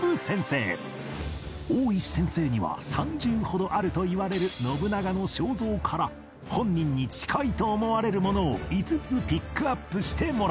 大石先生には３０ほどあるといわれる信長の肖像から本人に近いと思われるものを５つピックアップしてもらった